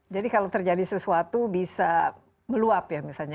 jadi kalau terjadi sesuatu bisa meluap ya misalnya